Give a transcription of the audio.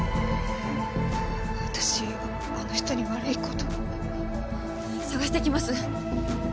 私あの人に悪いこと捜してきます